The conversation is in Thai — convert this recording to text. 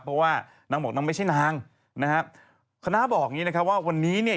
เพราะว่านางบอกนางไม่ใช่นางนะครับคณะบอกอย่างงี้นะครับว่าวันนี้เนี่ย